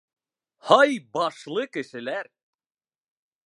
— Һай, башлы кешеләр!